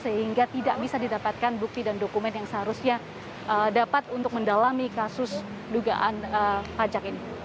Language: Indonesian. sehingga tidak bisa didapatkan bukti dan dokumen yang seharusnya dapat untuk mendalami kasus dugaan pajak ini